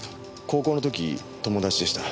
高校の時友達でした。